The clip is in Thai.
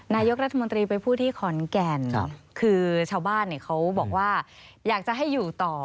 นายกรัฐมนตรีไปพูดที่ขอนแก่นคือชาวบ้านเขาบอกว่าอยากจะให้อยู่ต่อ